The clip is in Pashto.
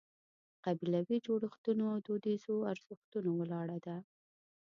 په قبیلوي جوړښتونو او دودیزو ارزښتونو ولاړه ده.